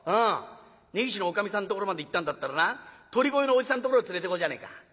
根岸のおかみさんのところまで行ったんだったらな鳥越のおじさんのところ連れていこうじゃねえか。